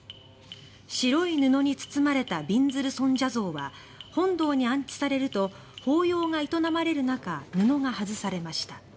白い布に包まれたびんずる尊者像は本堂に安置されると法要が営まれる中布が外されました。